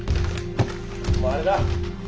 お前あれだ。